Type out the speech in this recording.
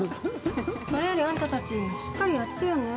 それより、あんたたちしっかりやってよね。